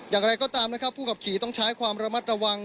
อย่างไรก็ตามนะครับผู้ขับขี่ต้องใช้ความระมัดระวัง